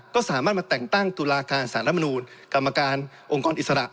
ก็สามารถมาแต่งตั้งตุลาการสารมนูลกรรมการองค์กรอิสระ